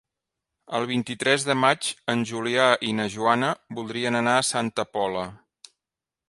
El vint-i-tres de maig en Julià i na Joana voldrien anar a Santa Pola.